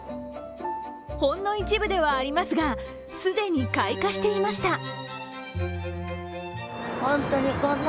ほんの一部ではありますが既に開花していました。